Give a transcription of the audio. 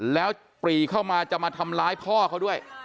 แล้วปรีเข้ามาจะมาทำร้ายพ่อเขาด้วย